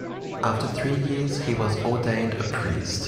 After three years he was ordained a priest.